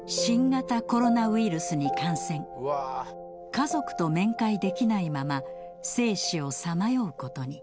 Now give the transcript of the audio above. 家族と面会できないまま生死をさまようことに。